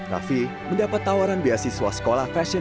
raffi mendapat tawaran beasiswa sekolah fashion